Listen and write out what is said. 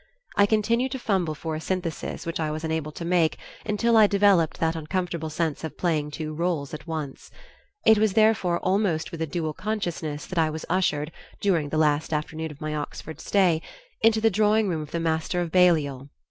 I continued to fumble for a synthesis which I was unable to make until I developed that uncomfortable sense of playing two roles at once. It was therefore almost with a dual consciousness that I was ushered, during the last afternoon of my Oxford stay, into the drawingroom of the Master of Balliol.